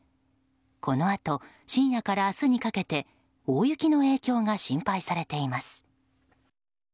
このあと深夜から明日にかけて大雪の影響が心配されています。